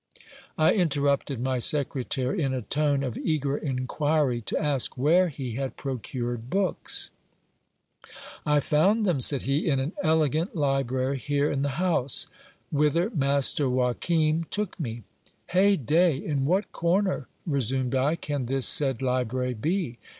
I interrupted my secretary in a tone of eager inquiry, to ask where he had procured books. I found them, said he, in an elegant library here in the house, whither master Joachim took me. Heyday ! in what corner, resumed I, can this said library be?